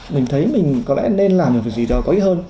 mình thấy mình có lẽ nên làm được việc gì đó có ích hơn